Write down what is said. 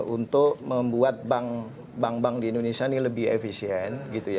untuk membuat bank bank di indonesia ini lebih efisien